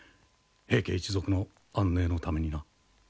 平家一族の安寧のためにな。